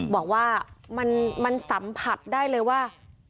บอกว่ามันสัมผัสได้เลยว่า